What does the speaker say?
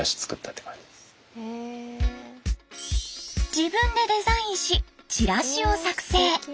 自分でデザインしチラシを作成。